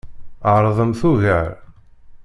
Ɛeṛḍemt ugar.